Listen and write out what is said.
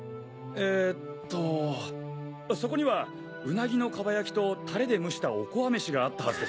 えっとそこにはウナギのかば焼きとタレで蒸したおこわ飯があったはずです。